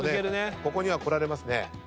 ここにはこられますね。